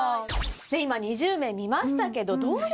今２０名見ましたけどどうですか？